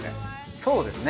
そうですね。